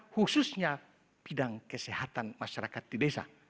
khususnya bidang kesehatan masyarakat di desa